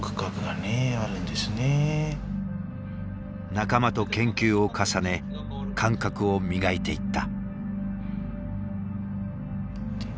仲間と研究を重ね感覚を磨いていった。